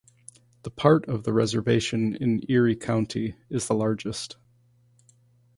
The part of the reservation in Erie County is the largest.